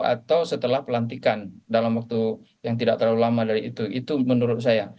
atau setelah pelantikan dalam waktu yang tidak terlalu lama dari itu itu menurut saya